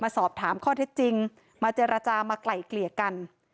สอบถามข้อเท็จจริงมาเจรจามาไกล่เกลี่ยกัน